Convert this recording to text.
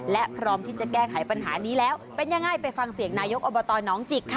และพร้อมที่จะแก้ไขปัญหานี้แล้วเป็นยังไงไปฟังเสียงนายกอบตน้องจิกค่ะ